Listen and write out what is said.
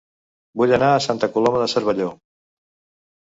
Vull anar a Santa Coloma de Cervelló